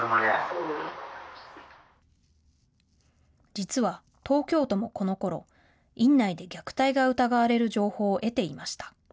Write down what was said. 実は東京都も、このころ院内で虐待が疑われる情報を得ていました。